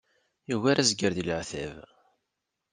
Yugar azger deg leɛtab.